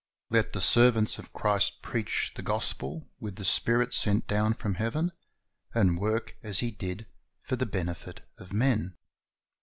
Let the servants of Christ preach the gospel with the Spirit sent down from heaven, and work as He did fir the benefit of men.